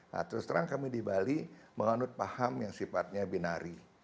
nah terus terang kami di bali menganut paham yang sifatnya binari